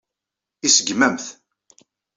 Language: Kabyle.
Iseggem-am-t.